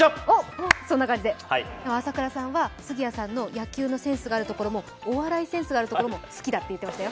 朝倉さんは杉谷さんの野球のセンスがあるところもお笑いセンスがあるところも好きだって言ってましたよ。